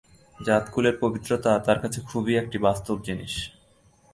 জাতকুলের পবিত্রতা তার কাছে খুব একটা বাস্তব জিনিস।